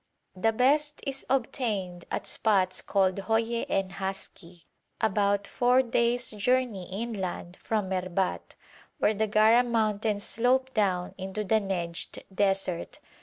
The best is obtained at spots called Hoye and Haski, about four days' journey inland from Merbat, where the Gara mountains slope down into the Nejd desert.